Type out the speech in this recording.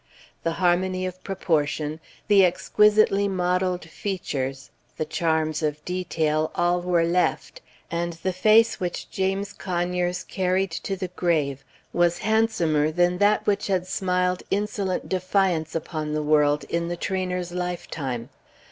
The harmony of proportion, the exquisitely modelled features, the charms of detail, all were left, and the face which James Conyers carried to the grave was handsomer than that which had smiled insolent defiance upon the world in the trainer's lifetime.